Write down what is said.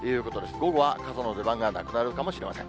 午後は傘の出番がなくなるかもしれません。